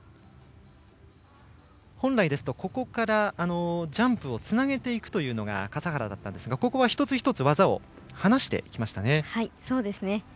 本来ですと、ジャンプをつなげていくというのが笠原だったんですが、一つ一つ技を離してきましたね。